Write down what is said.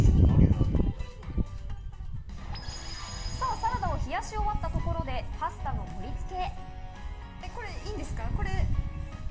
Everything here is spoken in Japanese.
サラダを冷やし終わったところでパスタの盛り付け。